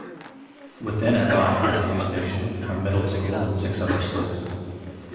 Within it lie a police station, a middle school and six other schools.